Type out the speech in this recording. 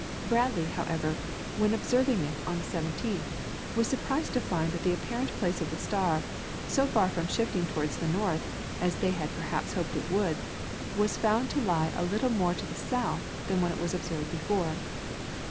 Bradley, however, when observing it on the 17th, was surprised to find that the apparent place of the star, so far from shifting towards the north, as they had perhaps hoped it would, was found to lie a little more to the south than when it was observed before.